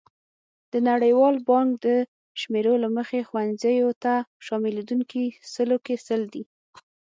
د نړیوال بانک د شمېرو له مخې ښوونځیو ته شاملېدونکي سلو کې سل دي.